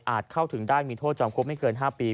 เข้าถึงได้มีโทษจำคุกไม่เกิน๕ปี